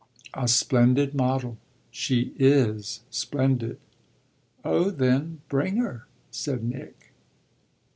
"A splendid model. She is splendid." "Oh then bring her," said Nick.